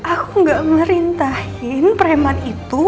aku nggak merintahin preman itu